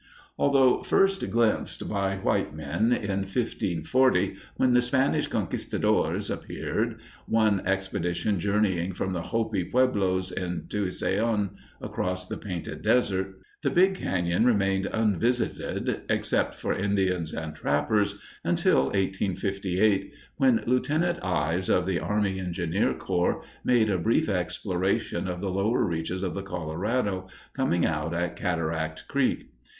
Although first glimpsed by white men in 1540, when the Spanish conquistadors appeared, one expedition journeying from the Hopi pueblos in Tusayan across the Painted Desert, the big cañon remained unvisited, except for Indians and trappers, until 1858, when Lieutenant Ives, of the army engineer corps, made a brief exploration of the lower reaches of the Colorado, coming out at Cataract Creek.